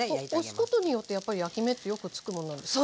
押すことによってやっぱり焼き目ってよくつくものなんですか？